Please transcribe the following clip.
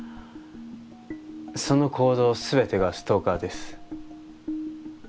その行動全てがストーカーです。